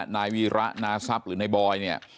นายวีระนาซับหรือนายบอย